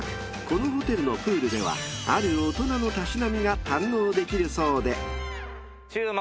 このホテルのプールではある大人のたしなみが堪能できるそうで］